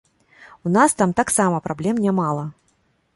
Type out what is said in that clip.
У нас там таксама праблем нямала.